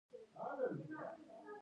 د آمر له اوامرو اطاعت کول پکار دي.